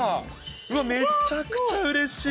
うわ、めちゃくちゃうれしい。